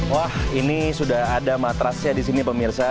wah ini sudah ada matrasnya di sini pemirsa